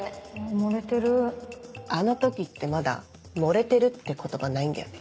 盛れてるあの時ってまだ「盛れてる」って言葉ないんだよね。